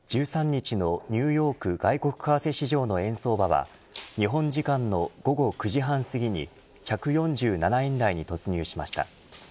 １３日のニューヨーク外国為替市場の円相場は日本時間の午後９時半すぎに１４７円台に突入しました。